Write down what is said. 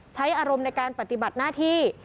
ใช้อารมณ์ในการปฏิบัติหน้าที่